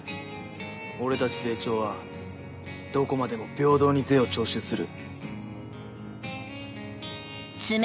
俺たちゼイチョーはどこまでも平等に税を徴収する。